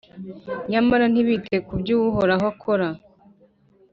nyamara ntibite ku byo Uhoraho akora,